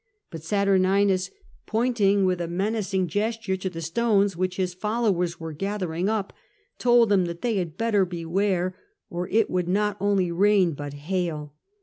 But Saturninus, pointing with a menacing gesture to the stones which his followers were gathering up, told them that they had better beware, or it would not only rain but hail.